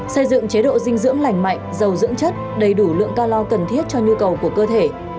xây dựng chế độ dinh dưỡng lành mạnh giàu dưỡng chất đầy đủ lượng ca lo cần thiết cho nhu cầu của cơ thể